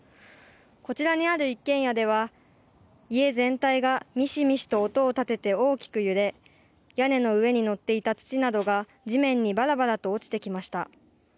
こちらにある一軒家では家全体がみしみしと音を立てて大きく揺れ屋根の上に載っていた土などが地面にばらばらと落ちてきました。